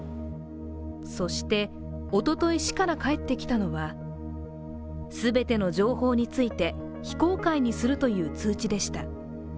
そしておととい、市から返ってきたのは全ての情報について、非公開にするという通知でした。